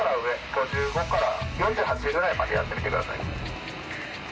５５から４８ぐらいまでやってみてください。